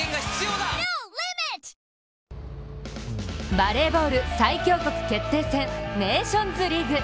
バレーボール最強国決定戦ネーションズリーグ。